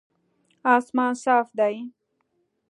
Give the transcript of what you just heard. اسمان صاف دی